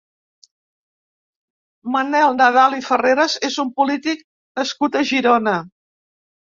Manel Nadal i Farreras és un polític nascut a Girona.